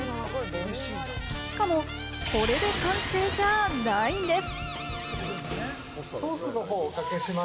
しかも、これで完成じゃないんです。